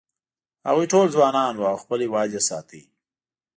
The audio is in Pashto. هغوی ټول ځوانان و او خپل هېواد یې ساته.